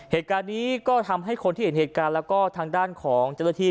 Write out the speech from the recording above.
เหตุการณ์นี้ก็ทำให้คนที่เห็นเหตุการณ์แล้วก็ทางด้านของเจ้าหน้าที่